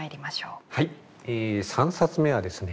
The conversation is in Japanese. はい３冊目はですね